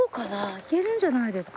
行けるんじゃないですか？